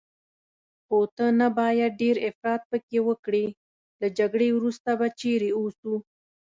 خو ته نه باید ډېر افراط پکې وکړې، له جګړې وروسته به چیرې اوسو؟